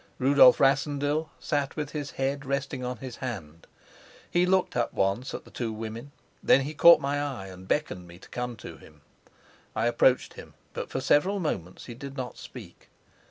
Rudolf Rassendyll sat with his head resting on his hand. He looked up once at the two women; then he caught my eye, and beckoned me to come to him. I approached him, but for several moments he did not speak.